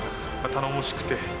頼もしくて。